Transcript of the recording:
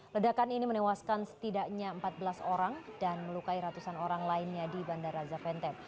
ledakan ini menewaskan setidaknya empat belas orang dan melukai ratusan orang lainnya di bandara zaventem